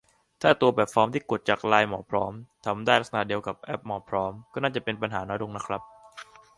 ถ้าตัวแบบฟอร์มที่กดจากไลน์หมอพร้อม ทำได้ลักษณะเดียวกันกับแอปหมอพร้อม ก็น่าจะเป็นปัญหาน้อยลงครับ